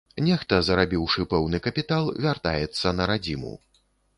Нехта, зарабіўшы пэўны капітал, вяртаецца на радзіму.